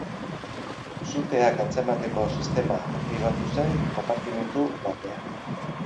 Suteak antzemateko sistema aktibatu zen konpartimentu batean.